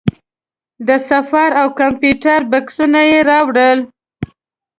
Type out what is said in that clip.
د سفر او کمپیوټر بکسونه یې راوړل.